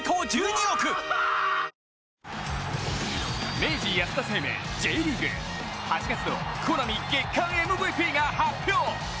明治安田生命Ｊリーグ、８月のコナミ月間ＭＶＰが発表。